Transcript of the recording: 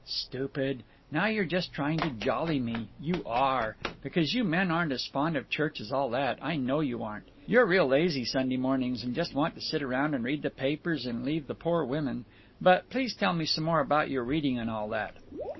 "Stupid! Now you're just trying to jolly me; you are; because you men aren't as fond of church as all that, I know you aren't. You're real lazy Sunday mornings, and just want to sit around and read the papers and leave the poor women—But please tell me some more about your reading and all that."